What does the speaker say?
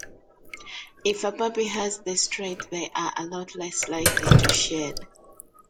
If a puppy has this trait, they are a lot less likely to shed.